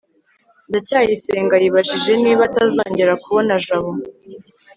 ndacyayisenga yibajije niba atazongera kubona jabo